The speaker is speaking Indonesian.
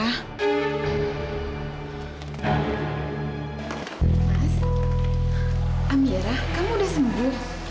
mas amiera kamu udah sembuh